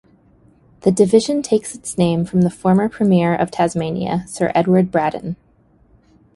The division takes its name from the former Premier of Tasmania, Sir Edward Braddon.